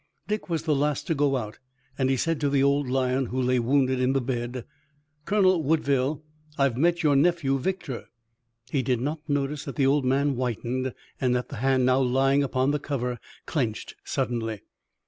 Dick was the last to go out, and he said to the old lion who lay wounded in the bed: "Colonel Woodville, I've met your nephew, Victor." He did not notice that the old man whitened and that the hand now lying upon the cover clenched suddenly.